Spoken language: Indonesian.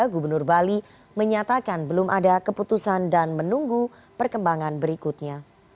gubernur bali menyatakan belum ada keputusan dan menunggu perkembangan berikutnya